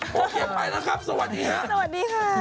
โวเคไปแล้วครับสวัสดีครับ